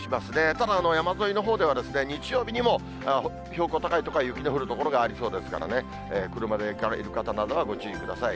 ただ山沿いのほうでは、日曜日にも標高高い所は雪の降る所がありそうですからね、車で行かれる方などはご注意ください。